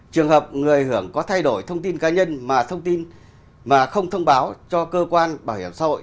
trường hợp người hưởng có thay đổi thông tin cá nhân mà không thông báo cho cơ quan bảo hiểm xã hội